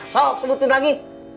sok sebutin lagi